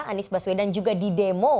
anies baswedan juga didemo